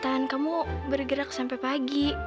bertahan kamu bergerak sampai pagi